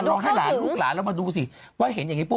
ลองให้ลูกหลานเรามาดูสิ